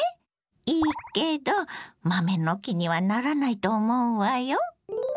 いいけど豆の木にはならないと思うわよ。